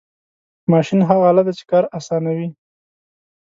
ماشین هغه آله ده چې کار آسانوي.